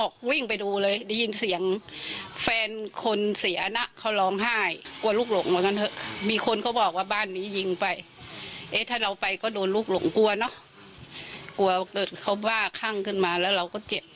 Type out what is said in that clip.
เกิดเขาบ้าข้างขึ้นมาแล้วเราก็เจ็บ